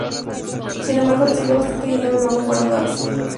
Sin embargo recibió bastante dinero luego de graduarse.